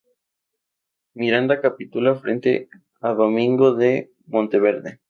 Miranda capitula frente a Domingo de Monteverde.